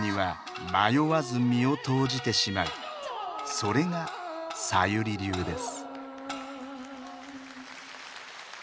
それがさゆり流です。